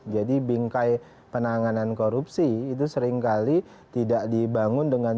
jadi bingkai penanganan korupsi itu seringkali tidak dibangun dengan